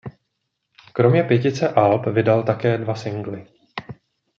Kromě pětice alb vydal také dva singly.